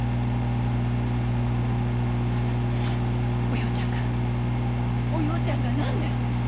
おようちゃんがおようちゃんが何で！？